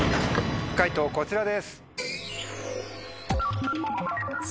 解答こちらです。